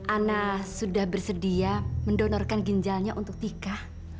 ana sudah bersedia mendonorkan ginjalnya untuk tika